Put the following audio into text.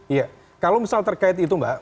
iya kalau misal terkait itu mbak